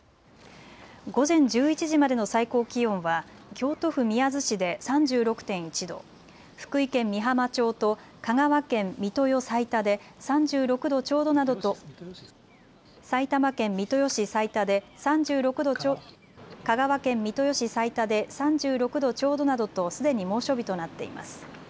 午前１１時までの最高気温は京都府宮津市で３６．１度、福井県美浜町と香川県三豊市財田で３６度ちょうどなどとすでに猛暑日となっています。